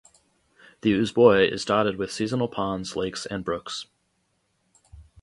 The Uzboi is dotted with seasonal ponds, lakes and brooks.